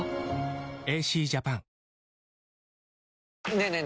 ねえねえ